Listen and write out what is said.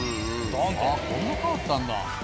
あっこんな変わったんだ。